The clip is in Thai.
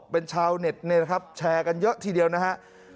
เป็นชาวเน็ตแชร์กันเยอะทีเดียวนะครับ